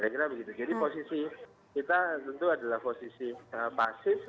jadi posisi kita tentu adalah posisi pasif